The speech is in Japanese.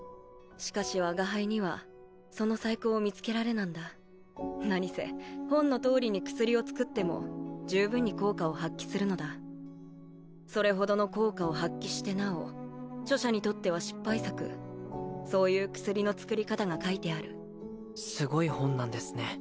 しかし我が輩にはその細工を見つけられなんだ何せ本のとおりに薬を作っても十分に効果を発揮するのだそれほどの効果を発揮してなお著者にとっては失敗作そういう薬の作り方が書いてあるすごい本なんですね